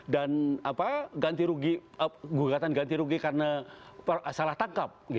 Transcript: dan gugatan ganti rugi karena salah tangkap